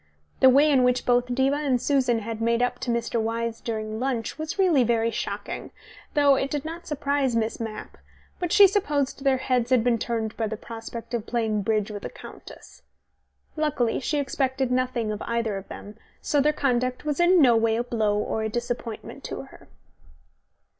The way in which both Diva and Susan had made up to Mr. Wyse during lunch was really very shocking, though it did not surprise Miss Mapp, but she supposed their heads had been turned by the prospect of playing bridge with a countess. Luckily she expected nothing better of either of them, so their conduct was in no way a blow or a disappointment to her.